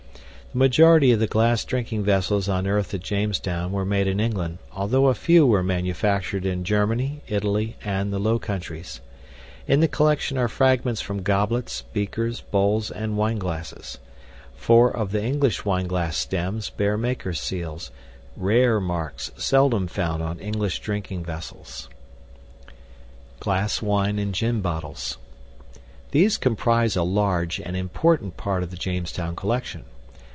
The majority of the glass drinking vessels unearthed at Jamestown were made in England, although a few were manufactured in Germany, Italy, and the Low Countries. In the collection are fragments from goblets, beakers, bowls, and wineglasses. Four of the English wineglass stems bear makers' seals, rare marks seldom found on English drinking vessels. GLASS WINE AND GIN BOTTLES These comprise a large and important part of the Jamestown collection.